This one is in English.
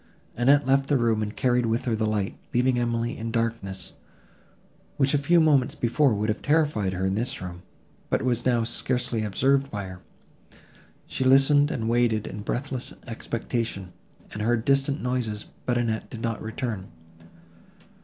Annette left the room, and carried with her the light, leaving Emily in darkness, which a few moments before would have terrified her in this room, but was now scarcely observed by her. She listened and waited, in breathless expectation, and heard distant noises, but Annette did not return.